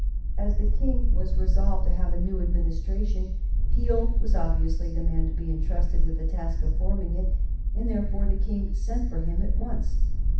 As the King was resolved to have a new Administration, Peel was obviously the man to be intrusted with the task of forming it, and therefore the King sent for him at once.